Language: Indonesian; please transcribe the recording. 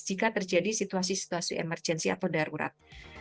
jika terjadi situasi situasi emergensi atau darurat